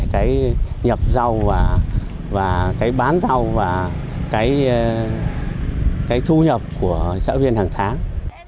cái nhập rau và cái bán rau và cái thu nhập của xã viên hàng tháng